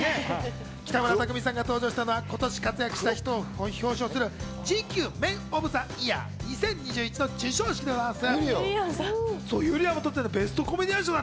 北村匠海さんが登場したのは今年活躍した人を表彰するＧＱＭＥＮＯＦＴＨＥＹＥＡＲ２０２１の授賞式でございます。